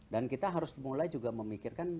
dan kita harus mulai juga memikirkan